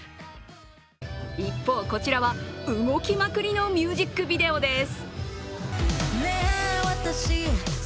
一方、こちらは動きまくりのミュージックビデオです。